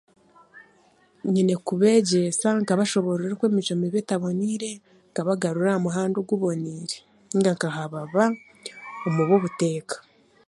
Nyine kubeegyeesa nkabashoboorora oku emicwe mibi etaboneire, nkabagarura omu muhanda oguboniire, nainga nkahababa omu b'obuteeka.